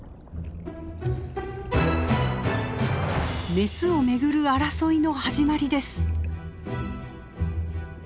メスを巡る争いの始まりです。